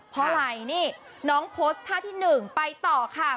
เพราะอะไรนี่น้องโพสต์ท่าที่๑ไปต่อค่ะ